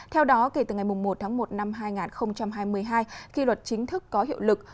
theo đó kể từ ngày một tháng một năm hai nghìn hai mươi hai khi luật chính thức có hiệu lực